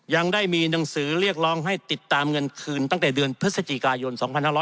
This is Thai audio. ยังได้มีหนังสือเรียกร้องให้ติดตามเงินคืนตั้งแต่เดือนพฤศจิกายน๒๕๖๐